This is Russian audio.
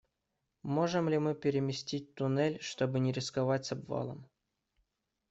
Можем ли мы переместить туннель, чтобы не рисковать с обвалом?